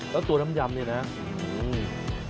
แล้วตัวน้ำยำนี่นะอืม